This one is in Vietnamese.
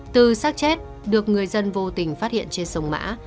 từ sát chết được người dân vô tình phát hiện trên sông mã